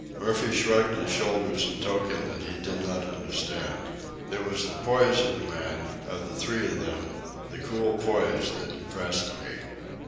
Murphy shrugged his shoulders in token that he did not understand. It was the poise of the man, of the three of them, the cool poise that impressed me.